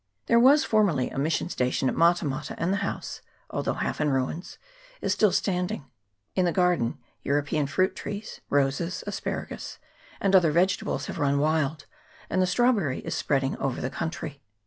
There was formerly a mission station at Mata mata, and the house, although half in ruins, is still standing ; in the garden European fruit trees, roses, asparagus, and other vegetables, have run wild, and the strawberry is spreading over .the country.